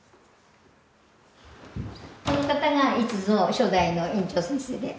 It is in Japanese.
この方が逸三初代の園長先生で。